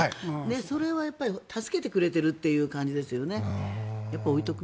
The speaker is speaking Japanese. それはやっぱり助けてくれてるという感じですよね。